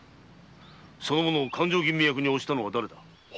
その者を勘定吟味役に推したのは誰だ？